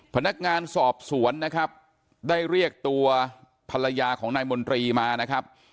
พนักงานสอบสวนนะครับได้เรียกตัวภรรยาของนายมนตรีมานะครับ